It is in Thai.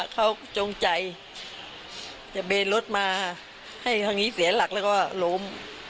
เขาจงใจจะเบนรถมาให้ทางนี้เสียหลักแล้วก็ล้ม